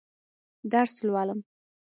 درس لولم.